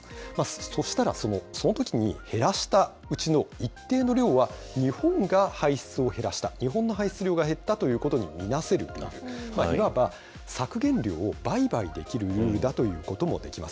そしたら、そのときに減らしたうちの一定の量は、日本が排出を減らした、日本の排出量が減ったということに見なせるわけで、いわば削減量を売買できるルールだということもできます。